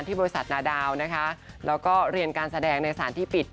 บริษัทนาดาวนะคะแล้วก็เรียนการแสดงในสารที่ปิด